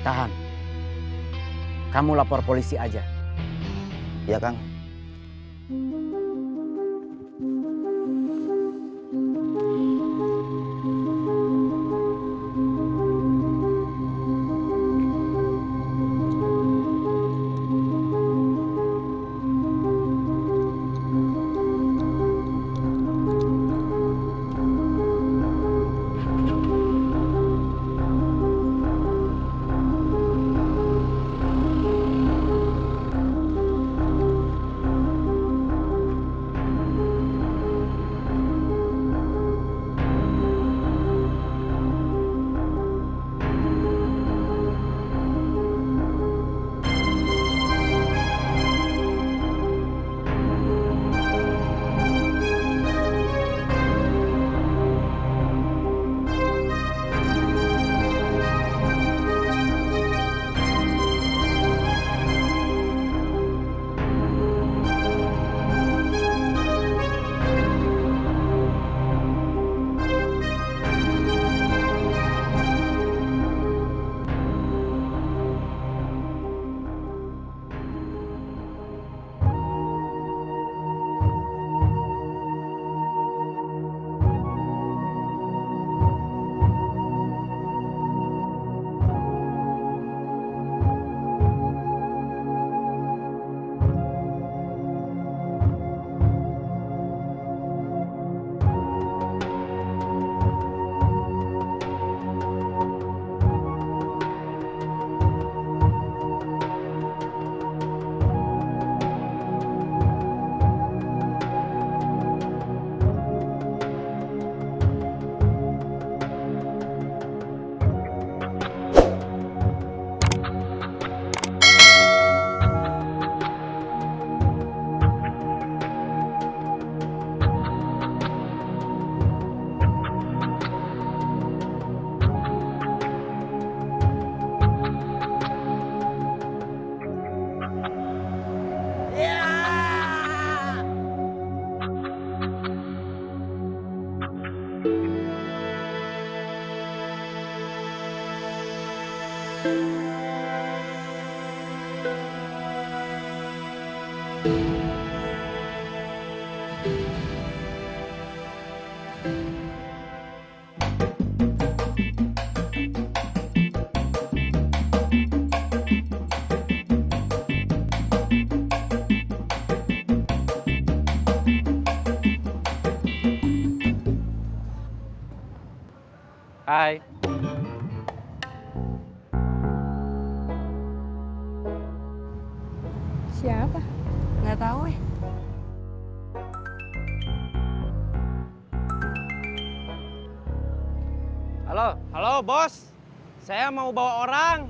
kangkobang dibantai orang